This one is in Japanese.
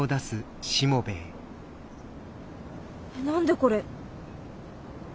何でこれ。